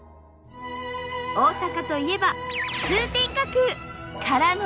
大阪といえば通天閣！から